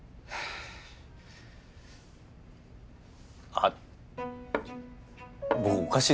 あっ僕おかしいですか？